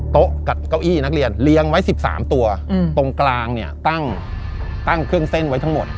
โต๊ะกับเก้าอี้นักเรียนเลี้ยงไว้๑๓ตัวตรงกลางเนี่ยตั้งเครื่องเส้นไว้ทั้งหมด